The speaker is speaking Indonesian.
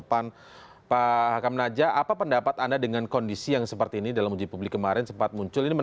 pak hakam naja apa pendapat anda dengan kondisi yang seperti ini dalam uji publik kemarin sempat muncul ini